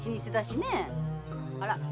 あら？